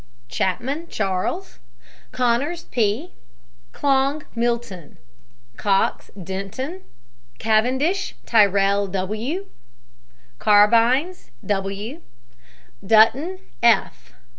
CHAPMAN, CHARLES. CONNORS, P. CLONG, MILTON. COX, DENTON. CAVENDISH, TYRRELL w. CARBINES, W. DUTTON, F.